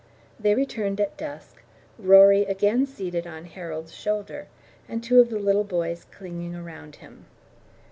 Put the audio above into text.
They returned at dusk, Rory again seated on Harold's shoulder, and two of the little boys clinging around him.